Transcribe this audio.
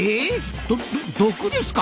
ど毒ですか！？